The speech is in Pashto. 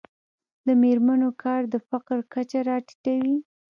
د میرمنو کار د فقر کچه راټیټوي.